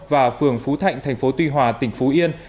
và phường phú thạnh tp tuy hòa tỉnh phú yên